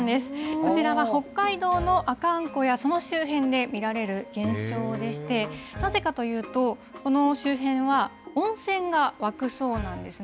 こちらは北海道の阿寒湖やその周辺で見られる現象でして、なぜかというと、この周辺は温泉が湧くそうなんですね。